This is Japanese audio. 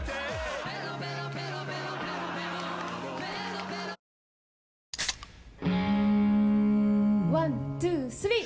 続くワン・ツー・スリー！